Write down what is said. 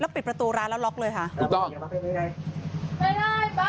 แล้วปิดประตูร้านแล้วล๊อคเลยค่ะ